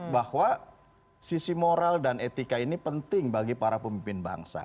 bahwa sisi moral dan etika ini penting bagi para pemimpin bangsa